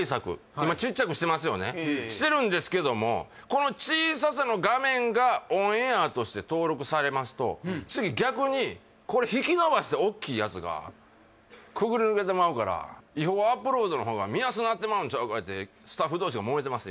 今ちっちゃくしてますよねええええしてるんですけどもこの小ささの画面がオンエアとして登録されますと次逆にこれ引きのばしておっきいやつがくぐり抜けてまうから違法アップロードの方が見やすなってまうんちゃうか言うてスタッフ同士がもめてます